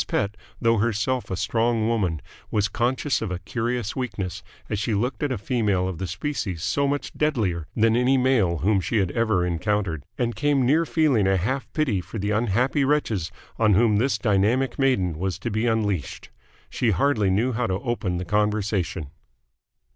Pett, though herself a strong woman, was conscious of a curious weakness as she looked at a female of the species so much deadlier than any male whom she had ever encountered: and came near feeling a half pity for the unhappy wretches on whom this dynamic maiden was to be unleashed. She hardly knew how to open the conversation.